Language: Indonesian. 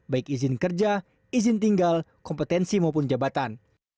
baik izin kerja izin tinggal kompetensi maupun jabatan